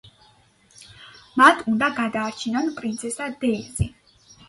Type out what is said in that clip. მათ უნდა გადაარჩინონ პრინცესა დეიზი.